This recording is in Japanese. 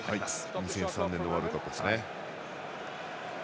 ２００３年のワールドカップでしたね。